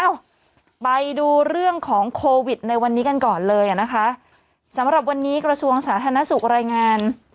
เอ้าไปดูเรื่องของโควิดในวันนี้กันก่อนเลยอ่ะนะคะสำหรับวันนี้กระทรวงสาธารณสุขรายงาน